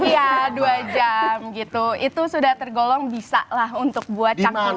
iya dua jam gitu itu sudah tergolong bisa lah untuk buat campurna